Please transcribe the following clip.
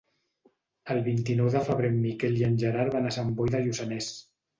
El vint-i-nou de febrer en Miquel i en Gerard van a Sant Boi de Lluçanès.